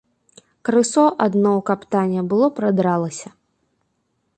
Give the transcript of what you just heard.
Крысо адно ў каптане было прадралася.